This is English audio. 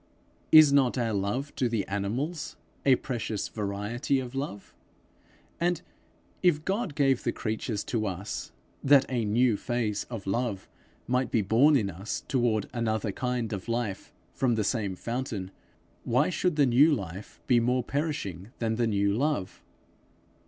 Is not our love to the animals a precious variety of love? And if God gave the creatures to us, that a new phase of love might be born in us toward another kind of life from the same fountain, why should the new life be more perishing than the new love?